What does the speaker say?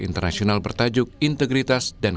internasional bertajuk integritas dan